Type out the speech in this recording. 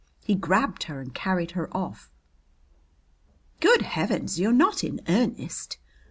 He grabbed her and carried her off." "Good Heavens! You're not in earnest?"